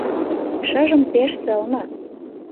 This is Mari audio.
Шыжым пеш сылне!